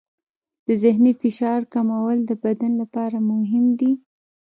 د ذهني فشار کمول د بدن لپاره مهم دي.